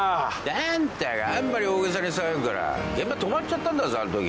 あんたがあんまり大げさに騒ぐから現場止まっちゃったんだぞあのとき。